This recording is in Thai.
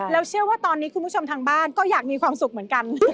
แล้วเชื่อว่าตอนนี้คุณผู้ชมทางบ้านก็อยากมีความสุขเหมือนกัน